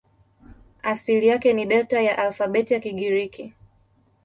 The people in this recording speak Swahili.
Asili yake ni Delta ya alfabeti ya Kigiriki.